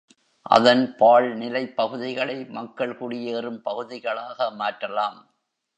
அதன் பாழ் நிலப் பகுதிகளை மக்கள் குடியேறும் பகுதிகளாக மாற்றலாம்.